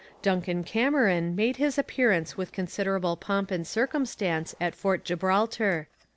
Duncan Cameron made his appearance with considerable pomp and circumstance at Fort Gibraltar.